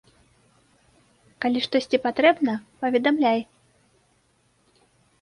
Калі штосьці патрэбна, паведамляй.